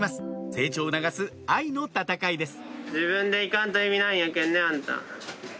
成長を促す愛の闘いです